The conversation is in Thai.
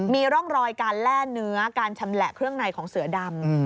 มีร่องรอยการแล่เนื้อการชำแหละเครื่องในของเสือดำ